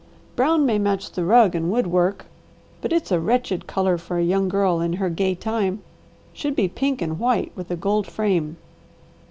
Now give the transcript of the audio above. Brown may match the rug and wood work, but it's a wretched colour for a young girl in her gay time. Should be pink and white with a gold frame."